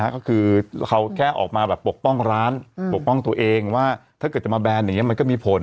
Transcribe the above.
ก็คือเราแค่ออกมาแบบปกป้องร้านปกป้องตัวเองว่าถ้าเกิดจะมาแบนอย่างนี้มันก็มีผล